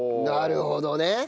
なるほどね！